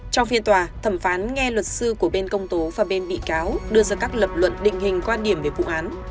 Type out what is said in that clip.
trong phiên tòa thẩm phán nghe luật sư của bên công tố và bên bị cáo đưa ra các lập luận định hình quan điểm về vụ án